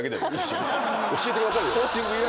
教えてくださいよ。